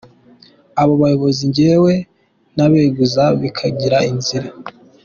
Abo bayobozi njyewe nabeguza bikagira inzira.